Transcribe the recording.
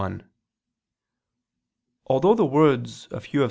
1: Although the words of Hugh of S.